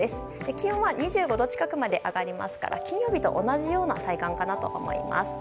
気温は２５度近くまで上がりますから金曜日と同じような体感かなと思います。